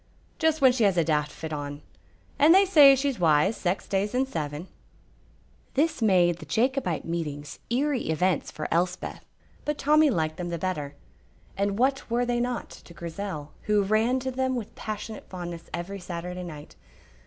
"Just when she has a daft fit on, and they say she's wise sax days in seven." This made the Jacobite meetings eerie events for Elspeth, but Tommy liked them the better; and what were they not to Grizel, who ran to them with passionate fondness every Saturday night?